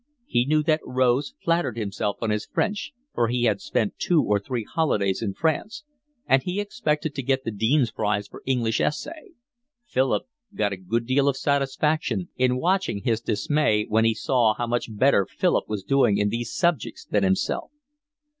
He knew that Rose flattered himself on his French, for he had spent two or three holidays in France; and he expected to get the Dean's Prize for English essay; Philip got a good deal of satisfaction in watching his dismay when he saw how much better Philip was doing in these subjects than himself.